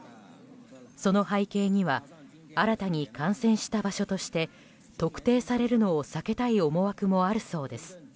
その背景には新たに感染した場所として特定されるのを避けたい思惑もあるそうです。